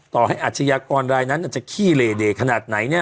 ต่อให้อาชญากรรายนั้นจะขี้เลเดขนาดไหนเนี่ย